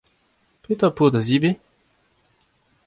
Petra ho po da zebriñ ?